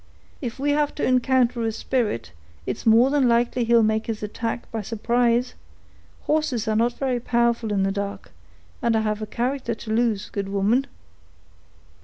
If we have to encounter a spirit, it's more than likely he'll make his attack by surprise; horses are not very powerful in the dark, and I have a character to lose, good woman."